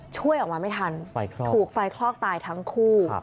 ช่วยออกมาไม่ทันถูกไฟคลอกตายทั้งคู่